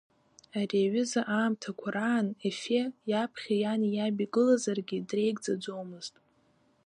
Ари аҩыза аамҭақәа раан Ефе, иаԥхьа иани иаби гылазаргьы, дреигӡаӡомызт.